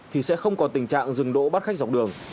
thì sẽ không còn tình trạng dừng đỗ bắt khách dọc đường